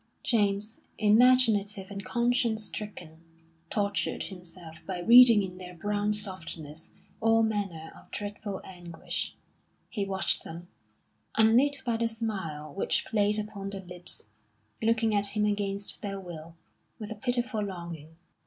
James, imaginative and conscience stricken, tortured himself by reading in their brown softness all manner of dreadful anguish. He watched them, unlit by the smile which played upon the lips, looking at him against their will, with a pitiful longing.